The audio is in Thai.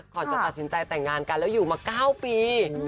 ก่อนจะตัดสินใจแต่งงานกันแล้วอยู่มา๙ปี